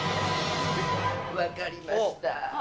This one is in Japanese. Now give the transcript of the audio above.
分かりました。